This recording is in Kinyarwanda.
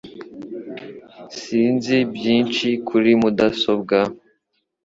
Sinzi byinshi kuri mudasobwa